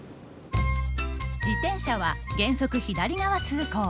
自転車は原則左側通行。